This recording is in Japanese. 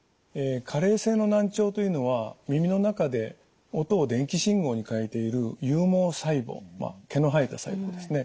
加齢性の難聴というのは耳の中で音を電気信号に変えている有毛細胞毛の生えた細胞ですね。